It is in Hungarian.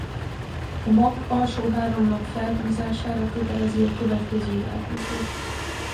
A makk alsó három lap felhúzására kötelezi a következő játékost.